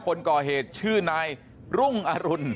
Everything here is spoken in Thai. คนก่อเหตุชื่อนายรุ่งอรุณ